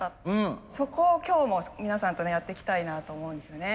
そこを今日皆さんとやっていきたいなと思うんですね。